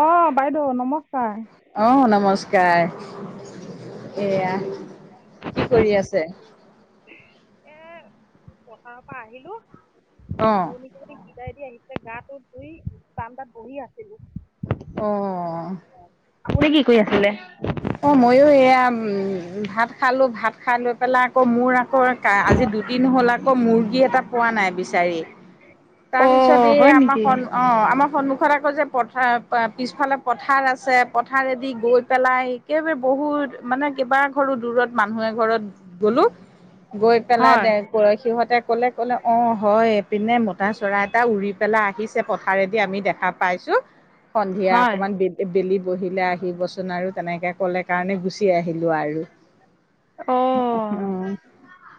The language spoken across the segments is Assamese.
অ, বাইদেউ নমস্কাৰ। অঁ, নমস্কাৰ এয়া কি কৰি আছে? এ, পথাৰৰ পৰা আহিলো। অঁ। দি, বিদাই দি আহিছিলে গা টো ধুই বাৰেণ্ডত বহি আছিলো। অঁ। আপনি কি কৰি আছিলে? অঁ, মইও এয়া উম ভাত খালো, ভাত খাই লৈ- পেলাই আকৌ মোৰ আকৌ আজি দুদিন হ'ল আকৌ মুৰ্গী এটা পোৱা নাই বিচাৰি।। অ তাৰপিছত এই হয় আমাৰ, নেকি? সন্মুখত অঁ, আমাৰ সন্মুখত আকৌ যে পথাৰ পিছফালে পথাৰ আছে পথাৰেদি গৈ- চাই একেবাৰে বহুত মানে কেইবা ঘৰ দূৰত মানুহে এঘৰত- গ'লো, গৈ পেলাই হয় দে সিহঁতে ক'লে ক'লে অ, হৈ- পিনে মতা চৰা এটা উৰি পেলাই আহিছে পথাৰেদি আমি দেখা পাইছো। সন্ধিয়া হয়। অকণমান বিল বেলি বহিলে আহিবচোন আৰু তেনেকে ক'লে কাৰণে গুচি আহিলো আৰু। অঁ।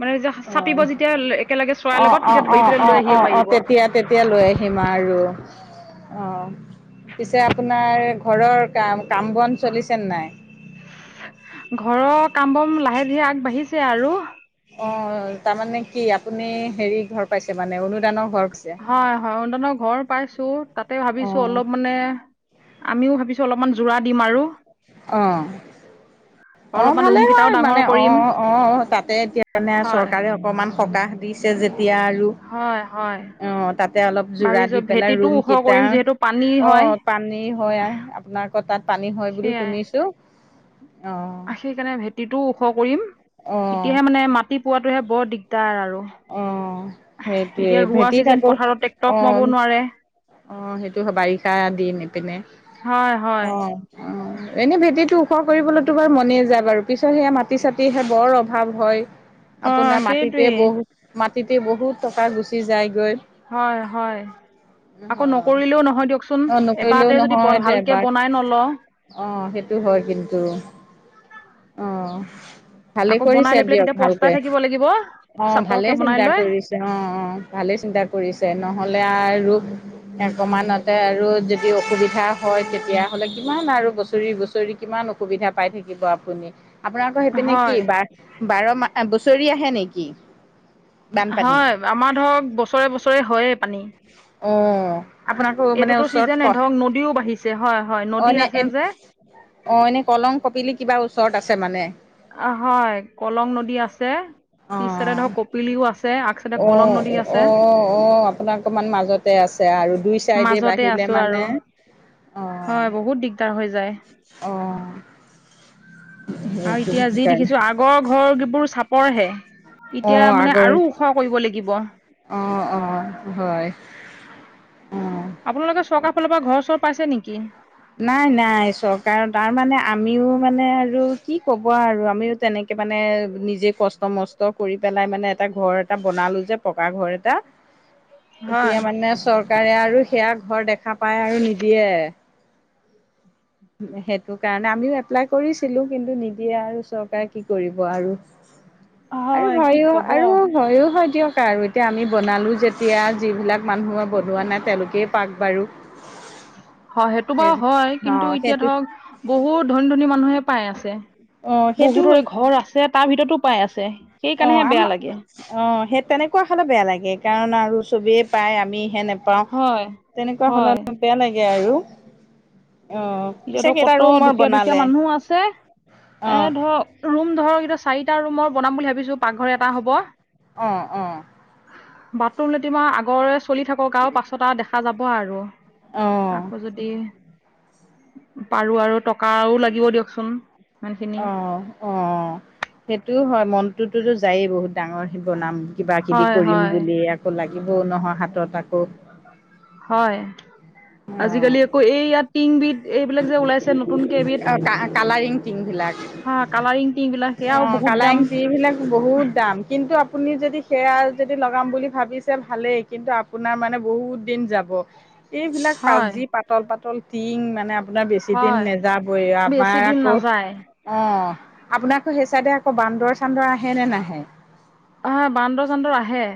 মানে যেতি অঁ চাপিব যেতিয়া একেলগে চৰাই অঁ লগত অঁ তেতিয়া অঁ ধৰি অঁ পেলাই অঁ লৈ আহিব অঁ অঁ পাৰিব। তেতিয়া তেতিয়া লৈ আহিম আৰু অ, পিছে আপোনাৰ ঘৰৰ কাম, কাম বন চলিছেনে নাই? ঘৰৰ কাম বন লাহে ধীৰে আগবাঢ়িছে আৰু। অঁ, তাৰমানে কি আপুনি হেৰি ঘৰ পাইছে মানে অনুদানৰ ঘৰ পাইছে? হয়, হয় অনুদানৰ ঘৰ পাইছো তাতে ভাবিছো অঁ অলপ মানে আমিও ভাবিছোঁ অলপমান যোৰা দিম আৰু। অঁ। অ অলপমান ৰুম ভালেই কেইটাও হয় ডাঙৰ মানে অ কৰিম। অ তাতে এতিয়া মানে হয় চৰকাৰে অকমান সকাহ দিছে যেতিয়া আৰু হয় হয় অঁ তাতে অলপ জোৰা ভাবিছো দি পেলাই ভেটিটো ৰুম ওখ কেইটা কৰিম যিহেতু পানী অ হয়। পানী হয় আহ আপোনাৰ আক তাত পানী হয় বুলি সেয়াই শুনিছো ছো অঁ। সেইকাৰণে ভেটিটোও ওখ কৰিম, অ এতিয়াহে মানে মাটি পোৱাটোহে বৰ দিগদাৰ আৰু। অঁ সেইটোৱে এতিয়া ৰোৱা ভেটি চিজন আকৌ পথাৰত ট্ৰেক্টৰ অ। সোমাব নোৱাৰে অ সেইটো হয়, বাৰিষা দিন এইপিনে হয় হয় অ অ। এনেই ভেটিটো ওখ কৰিবলেতো বা মনে যায় বাৰু, পিছত সেয়া মাটি চাটিহে বৰ অভাৱ হয়। অ আপোনাৰ মাটিতে সেইটোৱেই। বহুত মাটিতে বহুত টকা গুচি যায়গৈ। হয়, হয়। আকৌ নকৰিলেও নহয় দিয়কচোন, অ', নকৰিলেও এবাৰতে যদি ভালকে বনাই নলওঁ অঁ সেইটো হয় কিন্তু। অ ভালে আকৌ বনাই কৰিছে লৈ পেলাই দিয়ক তেতিয়া পস্তাই ভালকে থাকিব লাগিব অ ভালে চাপৰকে বনাই চিন্তা লৈ কৰিছে অঁ অঁ ভালেই চিন্তা কৰিছে নহলে আৰু অকমানতে আৰু যদি অসুবিধা হয় তেতিয়া হ'লে কিমান আৰু বছৰি বছৰি কিমান অস অসুবিধা পাই থাকিব আপুনি। আপোনাৰ আক সেইপিনে কি হয় বাৰ বাৰ মাহ বছৰি আহে নেকি? বানপানী হয় আমাৰ ধৰক বছৰে বছৰে হয়েই পানী। অ', আপোনাকো মানে এইটোতো ওচৰত ক চিজনে ধৰক নদীও বাঢ়িছে হয় হয় অ', নদী এনে এ আছে যে। অ এনেই কলং কপিলি কিবা ওচৰত আছে মানে? অ হয় কলং নদী আছে, পিছতে অ', ধৰক কপিলিও আছে। আগ চাইডে অ কলং নদী আছে অ অহ আপোনাৰ অকমান মাজতে আছে আৰু দুই চাইডে বা মাজতে আহিলে আছো আৰু মানে হয় বহুত দিগদাৰ হৈ যায়। অঁ। আৰু এতিয়া যি দেখিছো আগ আগৰ ঘৰিবোৰ চাপৰহে এতিয়া অ', মানে আগৰ আৰু ওখ কৰিব লাগিব। অ অ হয়। অ'। আপোনালোকে চৰকাৰ ফালৰ পৰা ঘৰ চৰ পাইছে নেকি? নাই নাই চৰকাৰ তাৰমানে আমিও মানে আৰু কি কব আৰু আমিও তেনেকে কে মানে নিজে কষ্ট মষ্ট কৰি পেলাই মানে এটা ঘৰ এটা বনালোঁ যে পকা ঘৰ এটা, হয় এতিয়া মানে চৰ চৰকাৰে আৰু সেয়া ঘৰ দেখা পায় আৰু নিদিয়ে। [inaudible] সেইটো কাৰণে আমিও এপ্লাই কৰিছিলো, কিন্তু নিদিয়ে আৰু চৰকাৰে কি কৰিব আৰু। আৰু হয় কি হয়ও কব আৰু ভয়ো হয় দিয়ক আৰু। এতিয়া আমি বনালো যেতিয়া যিবিলাক মানুহে বনোৱা নাই তেওঁলোকেই পাক বাৰু হয় সেইটো সেই বাৰু হয় অ কিন্তু এতিয়া সেইটো ধৰক বহুত ধনী ধনী মানুহে পাই আছে অ সেইটো বহুতৰে ঘৰ আছে তাৰ ভিতৰতো পাই আছে অ সেইকাৰণেহে বেয়া আমাৰ লাগে অ সেই তেনেকোৱা হলো বেয়া লাগে কাৰণ আৰু চবেই পাই আমি হে নে পাও হয় তেনেকোৱা হলে হয় বেয়া লাগে আৰু অ পিছে এতিয়াতো কেইটা কত ৰুমৰ দুখীয়া দুখীয়া বনালে মানুহো আছে অ এ ধৰক ৰুম ধৰক এতিয়া চাৰিটা ৰুমৰ বনাম বুলি ভাবিছো পাকঘৰ এটা হ'ব অ অ বাথৰুম লেতিন আও আগৰে চলি থাকক আও পাছত আও দেখা যাব আৰু অ আকৌ যদি পাৰো আৰু টকাও লাগিব দিয়কচোন ইমানখিনি অ অ'। সেইটোও হয় মনতোতোতো যায়ে বহুত ডাঙৰ সেই বনাম কিবা কিবি হয় কৰিম হয় বুলি আকৌ লাগিবও নহয় হাতত আকৌ হয় অ', আজিকালি আকৌ এই ইয়াত টিংবিধ এইবিলাক যে ওলাইছে নতুনকে এবিধ কা কালাৰিং টিং বিলাক হ কালাৰিং টিং বিলাক সেয়াও অ', বহুত কালাৰিং দাম টিং বিলাক বহুত দাম কিন্তু আপুনি যদি সেয়া যদি লগাম বুলি ভাবিছে ভালেই কিন্তু আপোনাৰ মানে বহুত দিন যাব এইবিলাক পা হয় যি পাতল পাতল টিং মানে আপোনাৰ বেছি দিন হয় নাযাবই আমাৰ বেছি দিন আকৌ নাযায় অ আপোনা আক সেই চাইডে আকৌ বান্দৰ চান্দৰ আহে নে নাহে আহ বান্দৰ চান্দৰ আহে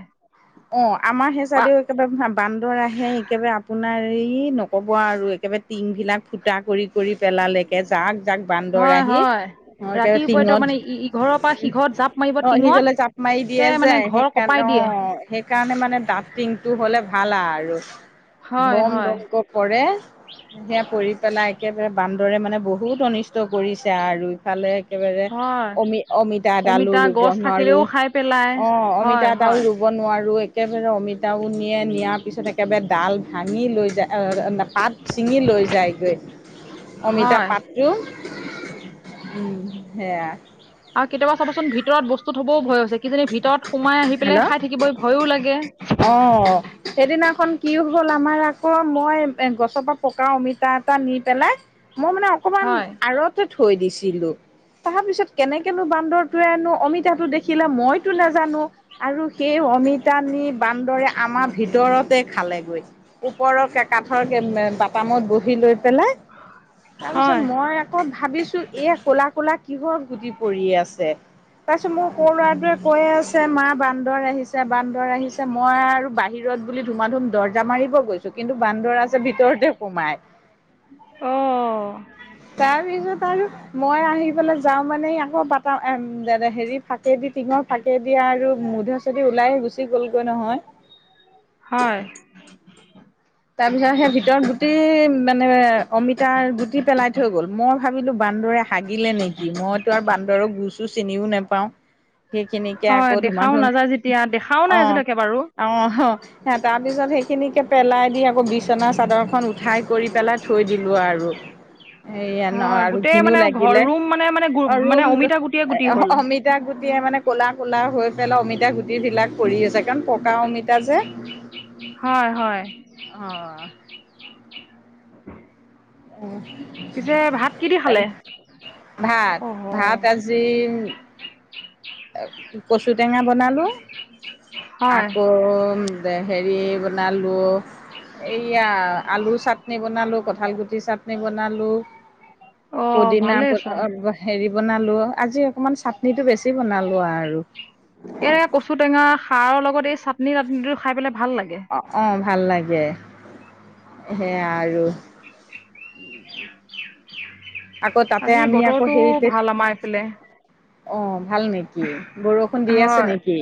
অ আমাৰ সেই পা চাদেও একেবাৰে বান্দৰ আহে একেবাৰে আপোনাৰ এই ন ক'ব আৰু একেবাৰে টিং বিলাক ফুটা কৰি কৰি পেলালে একে জাক জাক বান্দৰ হয় আহি হয় অ', একেবাৰে ৰাতিপুৱায় ত টিঙত মানে ইঘৰৰ পৰা সিঘৰত জাপ মাৰিব টিঙতে একে মানে ঘৰ সেয়াত কঁপাই দিয়ে অ সেইকাৰণে মানে ডাঠ টিংটো হ'লে ভাল আও আৰু হয় ধম হয় ধম ক পৰে সেয়া পৰি পেলাই একেবাৰে বান্দৰে মানে বহুত অনি ষ্ট কৰিছে আৰু ইফালে একেবাৰে হয় অমিত অমিতা এদালো ৰুব গছ নোৱাৰো থাকিলেও খাই পেলাই অ হয় অমিতা এটাও হয় ৰুব নোৱাৰো একেবাৰে অমি টাও নিয়ে নিয়াৰ পিছত একেবাৰে ডাল ভাঙি লৈ যায় পাত চিঙি লৈ যায়গৈ অমিতা হয় পাততো উম সেয়া আৰু কেতিয়াবা চাবাচোন ভিতৰত বস্তু থবও ভয় হৈছে কিজানি ভিতৰত সোমাই আহি পেলাই হেল্ল' খাই থাকিবহি ভয়ো লাগে অ সেইদিনাখন কি হ'ল আমাৰ আকৌ মই এ গছৰপা পকা অমিতা এটা নি পেলাই মই মানে অকমান হয় আৰতে থৈ দিছিলো তাৰ পিছত কেনেকনো বান্দৰ টোৱেনো অমিতাতো দেখিলে মইতো নাজানো আৰু সেই অমিতা নি বান্দৰে আমাৰ ভিতৰতে খালেগৈ ওপৰৰে কাঠৰ কে বাটামত বহি লৈ পেলাই তাৰপিছত হয় মই কত ভাবিছো এ কলা কলা কিহৰ গুটি পৰি আছে তাৰ পিছত মই ক লৰা টোৱে কৈ আছে মা বান্দৰ আহিছে বান্দৰ আহিছে মই আৰু বাহিৰত বুলি ধুমা ধুম দৰ্জা মাৰিব গৈছো কিন্তু বান্দৰ আছে ভিতৰতে সোমাই অঁ তাৰপিছত আৰু, মই আহি পেলাই যাওঁ মানে আকৌ ব হেৰি ফাঁকে দি টিঙৰ ফাঁকে দিয়া আৰু মুধ চধ ওলাই গুচি গলগৈ নহয়। হয়। তাৰ পিছত সেই ভিতৰত গুটি মানে অমিতাৰ গুটি পেলাই থৈ গল মই ভাবিলো। বান্দৰে হাগিলে নেকি মই তো আৰু বান্দৰক গোছো চিনিও নোপাও। সেইখিনিকে হয় আকৌ ধুমা দেখাও ধুম নাযায় যেতিয়া দেখাও অ, নাই আজিলৈকে বাৰু অ অ তাৰ পিছত সেইখিনিকিকে পেলাই দি আকৌ বিচনা চাদৰখন কৰি পেলাই থৈ দিলোঁ আৰু, এইয়া ন হয় আৰু গোটেই ঘিণো মানে ঘৰ লাগিলে ৰুম মানে মানে গো মানে অৰুণ অমিতা গুটিয়ে গুটি হ'ল অমিত মিতা গুটি মানে ক'লা ক'লা হৈ পেলাই অমিতা গুটি বিলাক পৰি আছে কাৰণ পকা অমিতা যে। হয় হয়। অঁ। পিছে ভাত কি দি খালে ভাত অহ ভাত। কাজি কচু টেঙা বনালোঁ। হয় আকৌ হেৰি বনালোঁ। এয়া আলু চাটনি বনালো কঁঠাল গুটি চি চাটনি বনালো অঁ পুদিনা ভালেইচোন [unintelligible] হেৰি বনালো আজি অকমান চাটনিটো বেছি বনালো আৰু। এ, কচু টেঙা সাৰৰ লগত এই চাটনি টাটনিটো খাই পেলাই ভাল লাগে। অঁ অঁ ভাল লাগে সেয়াই আৰু। আকৌ তাতে আজি আমি আকৌ বতৰটো সেইতে ভাল আমাৰ এইফালে অঁ, ভাল নেকি? নে বৰষুণ দি আছে হয় নেকি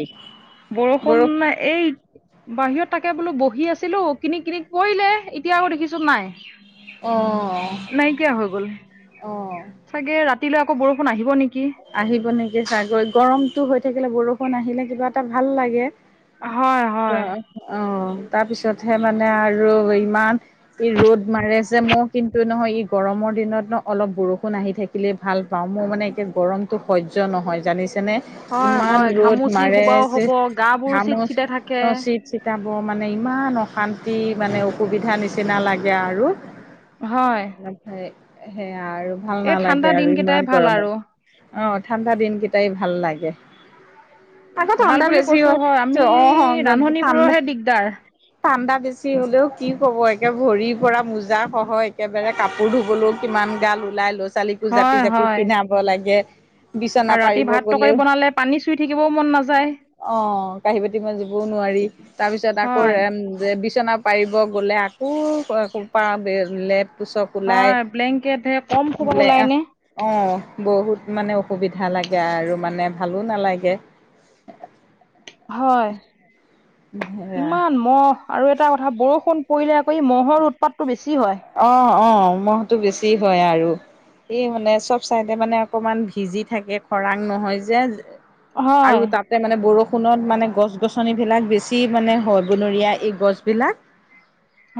বৰষুণ? এই। বাহিৰত তাকে বোলো বহি আছিলোঁ কিনি কিনি পৰিলে এতিয়া আকৌ দেখিছোঁ নাই। অঁ। নাইকিয়া হৈ গ'ল চাগে ৰাতিলৈ আকৌ বৰষুণ আহিব নেকি? আহিব নেকি চাগৈ গৰমতটো হৈ থাকিলে বৰষুণ আহিলে কিবা এটা ভাল লাগে। হয় হয়। অঁ, তাৰপিছতহে মানে আৰু ইমান ই ৰ'দ মাৰি যে মই কিন্তু নহয় ই গৰমৰ দিনত ন অলপ বৰষুণ আহি থাকিলে ভাল পাওঁ মই। মানে এয়া গৰমতটো সহ্য নহয় জানিছেনে হয় ইমান হয় ৰ'দ ঘামুচি মাৰে সোবাও যে। হ'ব গা বোৰ চিট চিটাই থাকে ঘামচি চিতাব মানে ইমান অশান্তি মানে অসুবিধাৰ নিচিনা লাগে আৰু। হয়। সেয়া আৰু ভাল এই ঠাণ্ডা নালাগে দিন আৰু কেইটাই ইমান ভাল আৰু গৰমত। অঁ, ঠাণ্ডা দিনকেইটাই ভাল লাগে। আকৌ ভাল ঠাণ্ডা বুলি বেছি কৈছো হয় আমি অ ঠাণ্ডা ৰান্ধনীবোৰৰহে দিগদাৰ ঠাণ্ডা বেছি হলেও কি কব একে ভৰিৰ পৰা মোজা সহ একে একবাৰে কাপোৰ ধুবলৈও কিমান গাল ওলাই ল'ৰা ছোৱালীকো জাপি হয় জাপি হয় পিন্ধাব লাগে। বিচনা আৰু ৰাতি পাৰিব ভাত তৰকাৰি গ'লেও বনালে পানী চুই থাকিবও মন নাযায়। অ কাঁহী বাতি মজিবও নোৱাৰি তাৰ পিছত আকৌ হয় যে বিচনা পাৰিব গ'লে আকৌ লেপ পোচক ওলাই হয় ব্লেংকেট হে কম খোপা বোলে ওলাই নে আহ অঁ। বহুত মানে অসুবিধা লাগে আৰু মানে ভালো নালাগে। হয় নালাগে ইমান মহ আৰু এটা কথা বৰষু বৰষুণ পৰিলে আকৌ ই মহৰ উৎপাতটো বেছি হয় অ অ মহটো বেছি হয় আৰু হে মানে চব চাইডে মানে অকমান ভিজি থাকে খৰাং নহয় যে আৰু হয় তাত ত মানে বৰষুণত মানে গছ গছনি বিলাক বেছি মানে হয় বনৰীয়া এই গছ বিলাক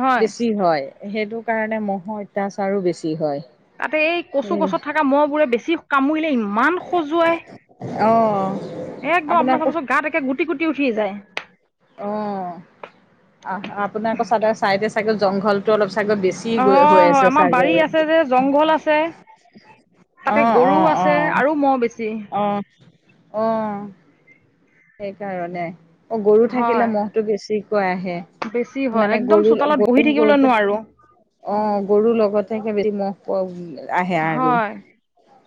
হয় বেছি হয় সেইটো কাৰণে মহৰ অত্যাচাৰো বেছি হয় তাতে এই কচু গছত থকা মহবোৰে বেছি কামুৰিলে ইমান খজুৱাই অহ একদম আপোনাৰ চাব ওচৰত গাত একে গুটি গুটি উঠি যায় অ আহ আপোনাৰ আকৌ চাদৰ চাইদে চাগে জংঘলটো অলপ চাগৈ বেছি ছি অ হৈ হৈ হয় আছে আমাৰ চাগে বাৰী আছে যে জংঘল আছে তাতে অহ গৰু অহ আছে আৰু মহ বেছি অহ অ অ অ সেইকাৰণে অ গৰু থাকিলে হয় মহটো বেছিকৈ আহে বেছি হয় মানে একদম গৰু চোতালত বহি গৰু থাকিবলৈ গৰুতে নোৱাৰো অ গৰুৰ লগতে একে বেছি মহ প আহে আৰু হয়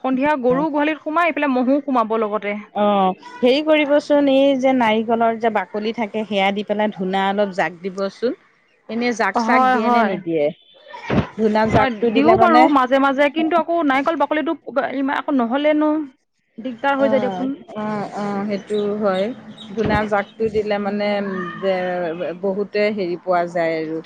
সন্ধিয়া গৰু গোহালিত সোমাই এইফালে মহো সোমাব লগতে অ হেৰি কৰিবচোন এই যে নাৰিকলৰ যে বাকলি থাকে সেয়া দি পেলাই ধূনা অলপ জাক দিবচোন এনে জাক চাক হয় দিয়ে নে নিদিয়ে ধূনা হয় জাকটো দিলে দিও মানে বাৰু মাজে মাজে কিন্তু আকৌ নাৰিকল বাকলিটো ইমান আকৌ নহ'লেনো দিগদাৰ হৈ যায় দিয়কচোন অঁ সেইটো হয় ধূনা জাকটো দিলে মানে বহুতে হেৰি পোৱা যায় আৰু